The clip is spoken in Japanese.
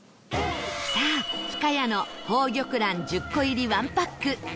さあ、深谷の宝玉卵１０個入り１パック